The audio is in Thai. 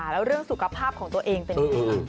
แล้วเรื่องสุขภาพของตัวเองเป็นยังไง